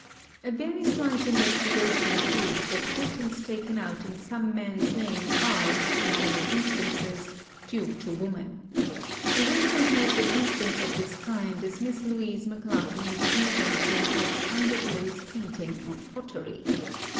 A very slight investigation proves that patents taken out in some man's name are, in many instances, due to women. A re cent noted instance of this kind is Miss Louise McLaughlin's invention of underglaze painting on pottery.